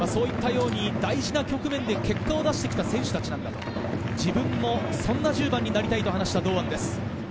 大事な局面で結果を出してきた選手たち、自分もそんな１０番になりたいと話した堂安です。